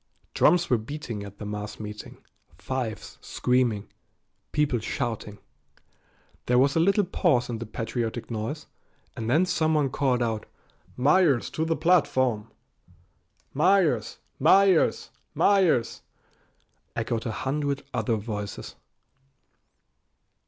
Drums were beating at the mass meeting, fifes screaming, people shouting. There was a little pause in the patriotic noise, and then someone called out, "Myers to the platform!" "Myers! Myers! Myers!" echoed a hundred other voices.